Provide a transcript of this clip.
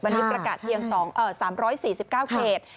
วันนี้ประกาศเพียง๓๔๙เขต